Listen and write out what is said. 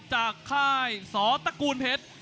ค่ายสตระกูลเพชร